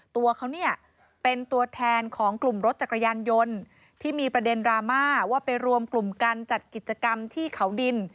ตัวเขาเนี่ยเป็นตัวแทนของกลุ่มรถจักรยานยนต์ที่มีประเด็นดราม่าว่าไปรวมกลุ่มกันจัดกิจกรรมที่เขาดิน